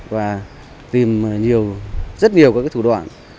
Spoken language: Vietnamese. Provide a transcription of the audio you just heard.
và tìm rất nhiều các thủ đoạn